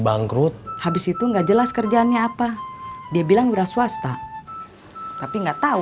bangkrut habis itu enggak jelas kerjaannya apa dia bilang udah swasta tapi enggak tahu